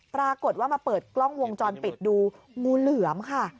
ปรากฏว่ามาเปิดกล้องวงจรปิดดูงูเหลือมค่ะ